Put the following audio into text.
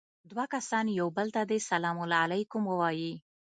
دوه کسان يو بل ته دې سلام عليکم ووايي.